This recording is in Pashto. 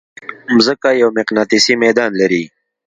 مځکه یو مقناطیسي ميدان لري.